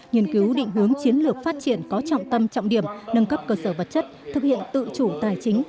nghiên cứu định hướng chiến lược phát triển có trọng tâm trọng điểm nâng cấp cơ sở vật chất thực hiện tự chủ tài chính